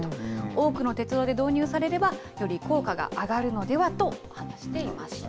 多くの鉄道で導入されれば、より効果が上がるのではと話していました。